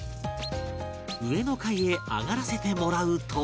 上の階へ上がらせてもらうと